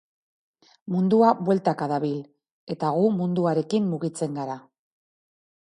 Mundua bueltaka dabil, eta gu munduarekin mugitzen gara.